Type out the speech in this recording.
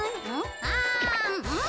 あん。